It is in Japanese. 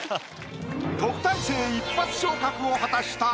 特待生一発昇格を果たした。